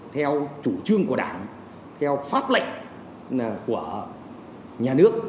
theo chủ trương của đảng theo pháp lệnh của nhà nước